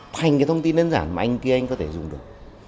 thành cái thông tin đơn giản mà anh kia anh có thể dùng được